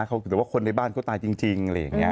แต่ว่าคนในบ้านเขาตายจริง